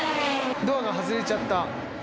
ドアがはずれちゃった。